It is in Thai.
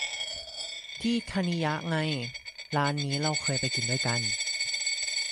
ที่ธนิยะไง ร้านนี้เราเคยไปกินด้วยกัน